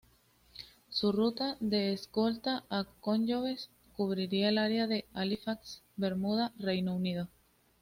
Su ruta de escolta a convoyes cubría el área Halifax-Bermuda-Reino Unido.